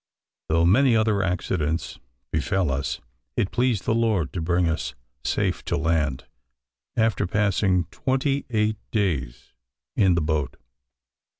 Though many other accidents befel us, it pleased the Lord to bring us safe to land, after passing twenty eight days in the boat.